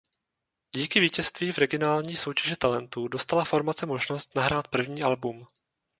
Díky vítězství v regionální soutěži talentů dostala formace možnost nahrát první album.